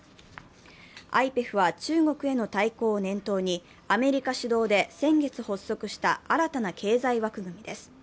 ＩＰＥＦは中国への対抗を念頭にアメリカ主導で先月発足した新たな経済枠組みです。